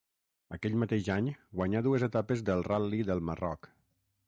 Aquell mateix any guanyà dues etapes del Ral·li del Marroc.